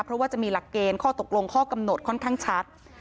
เพราะว่าจะมีหลักเกณฑ์ข้อตกลงข้อกำหนดค่อนข้างชัด